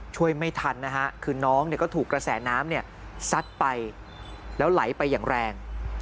ช่วยไม่ทันนะฮะคือน้องก็ถูกกระแสน้ำซัดไปแล้วไหลไปอย่างแรง